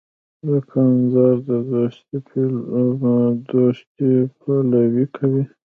دوکاندار د دوستۍ پلوي کوي.